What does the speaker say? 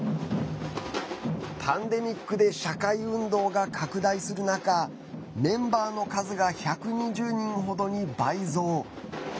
パンデミックで社会運動が拡大する中メンバーの数が１２０人程に倍増。